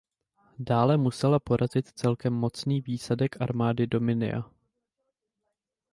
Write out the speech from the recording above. Dále musela porazit celkem mocný výsadek armády Dominia.